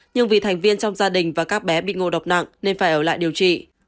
nhưng vì thành viên trong gia đình và các bé bị ngộ độc nặng nên phải ở lại điều trị